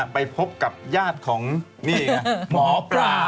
ไปพบกับญาติของหมอปลา